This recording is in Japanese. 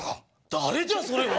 誰じゃそれは！